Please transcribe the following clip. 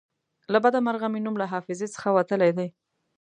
له بده مرغه مې نوم له حافظې څخه وتلی دی.